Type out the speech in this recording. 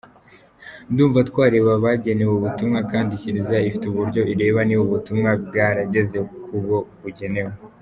Ndumva twareba abagenewe ubutumwa kandi Kiliziya ifite uburyo ireba niba ubutumwa bwarageze kubo bugenewe.